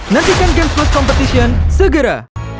nantikan games plus competition segera